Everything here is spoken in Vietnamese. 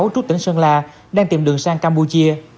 trút tỉnh sơn la đang tìm đường sang campuchia